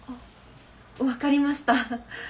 分かりました。